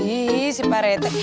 ih si pak rt